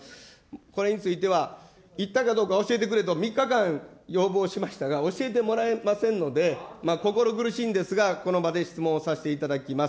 これについては、行ったかどうか教えてくれと、３日間、要望しましたが、教えてもらえませんので、心苦しいんですが、この場で質問をさせていただきます。